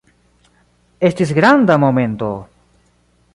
Estis granda momento!